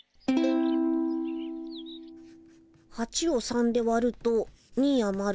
８を３でわると２あまるから。